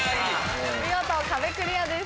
見事壁クリアです。